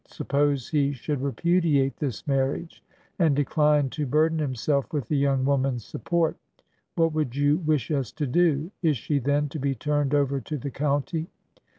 Suppose he should repudiate this marriage and decline to burden himself with the young woman's support, what would you wish us to do? Is she then to be turned over to the county